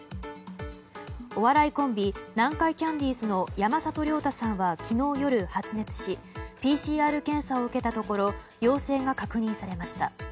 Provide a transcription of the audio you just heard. お笑いコンビ南海キャンディーズの山里亮太さんは昨日夜、発熱しＰＣＲ検査を受けたところ陽性が確認されました。